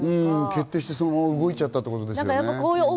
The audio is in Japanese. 決定して、そのまま動いちゃったということですかね。